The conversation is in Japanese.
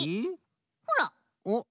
ほら。おっ。